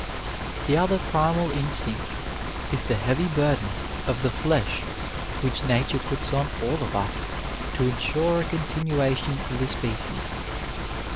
The other primal instinct is the heavy burden of the flesh which Nature puts on all of us to ensure a continuation of the species.